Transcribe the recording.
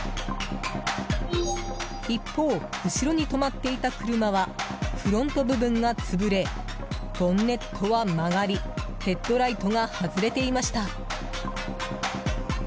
一方、後ろに止まっていた車はフロント部分が潰れボンネットは曲がりヘッドライトが外れていました。